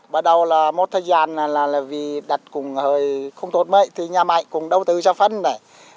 bắt đầu là một thời gian là vì đặt cũng hơi không tốt mấy thì nhà máy cũng đầu tư cho phân này